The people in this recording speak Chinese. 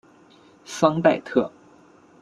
桑代特。